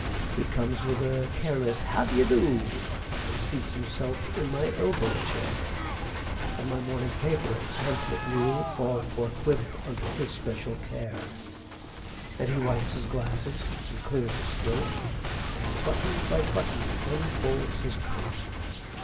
He comes with a careless "How d'ye do?" And seats himself in my elbow chair; And my morning paper and pamphlet new Fall forthwith under his special care, And he wipes his glasses and clears his throat, And, button by button, unfolds his coat.